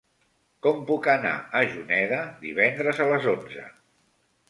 Com puc anar a Juneda divendres a les onze?